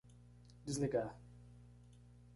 Desligar.